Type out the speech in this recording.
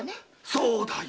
そうだよ。